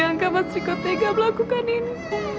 kenapa mas rikot tengah melakukan ini